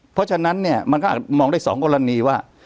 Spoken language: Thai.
เพราะฉะนั้นมันก็อาจมองได้สองกรณีว่า